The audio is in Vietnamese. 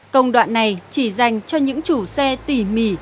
công đoạn này chỉ dành cho những chủ xe tỉ mỉ